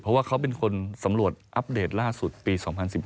เพราะว่าเขาเป็นคนสำรวจอัปเดตล่าสุดปี๒๐๑๘